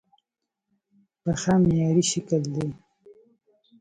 پښه معیاري شکل دی.